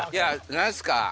何すか？